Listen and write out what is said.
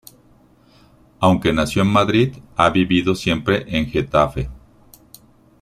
Aunque nació en Madrid, ha vivido siempre en Getafe.